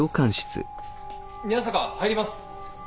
宮坂入ります。